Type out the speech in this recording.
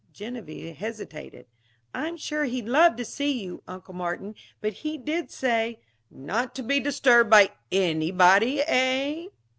Genevieve hesitated. "I'm sure he'd love to see you, Uncle Martin. But he did say " "Not to be disturbed by _any_body, eh?"